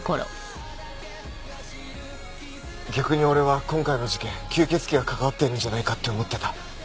逆に俺は今回の事件吸血鬼が関わってるんじゃないかって思ってた。